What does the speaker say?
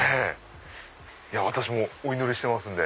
私もお祈りしてますんで。